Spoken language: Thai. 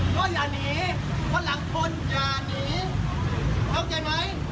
เข้าใจไหม